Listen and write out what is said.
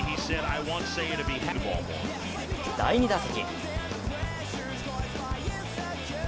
第２打席。